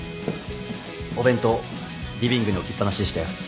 お弁当リビングに置きっぱなしでしたよ。